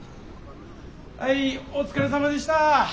はいお疲れさまでした。